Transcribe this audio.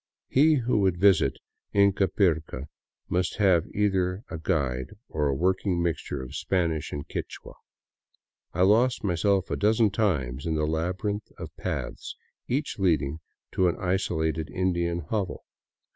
He who would visit Ingapirca must have either a guide or a working mixture of Spanish and Quichua. I lost myself a dozen times in a labyrinth of paths, each leading to an isolated Indian hovel.